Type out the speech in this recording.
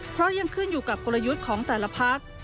เพราะยังขึ้นอยู่กับกลยุทธ์ของแต่ละพัก